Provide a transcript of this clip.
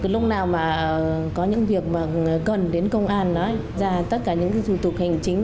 lúc nào có những việc cần đến công an ra tất cả những thủ tục hành chính